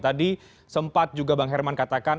tadi sempat juga bang herman katakan